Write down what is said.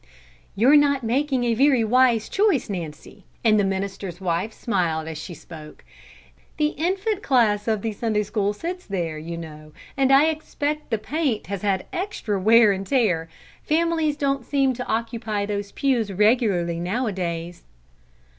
"You're not making a very wise choice, Nancy," and the minister's wife smiled as she spoke. "The infant class of the Sunday school sits there, you know, and I expect the paint has had extra wear and tear. Families don't seem to occupy those pews regularly nowadays."